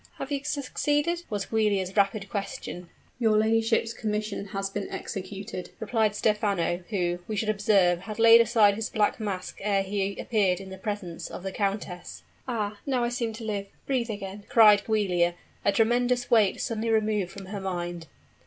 "Have you succeeded?" was Giulia's rapid question. "Your ladyship's commission has been executed," replied Stephano, who, we should observe, had laid aside his black mask ere he appeared in the presence of the countess. "Ah! now I seem to live breathe again!" cried Giulia, a tremendous weight suddenly removed from her mind.